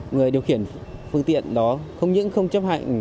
người điều khiển phương tiện đó không những không chấp hành